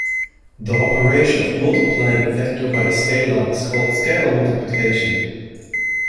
The operation of multiplying a vector by a scalar is called "scalar multiplication".